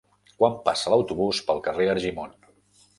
Quan passa l'autobús pel carrer Argimon?